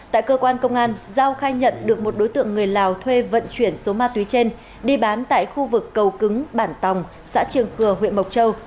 tại cơ quan công an giao khai nhận được một đối tượng người lào thuê vận chuyển số ma túy trên đi bán tại khu vực cầu cứng bản tòng xã triềng khừa huyện mộc châu